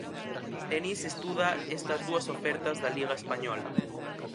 Denis estuda estas dúas ofertas da Liga española.